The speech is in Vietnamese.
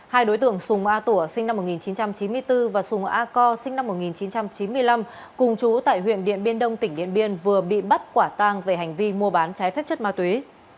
hai đối tượng sùng a tủa sinh năm một nghìn chín trăm chín mươi bốn và sùng a co sinh năm một nghìn chín trăm chín mươi năm cùng chú tại huyện điện biên đông tỉnh điện biên vừa bị bắt quả tang về hành vi mua bán trái phép chất ma túy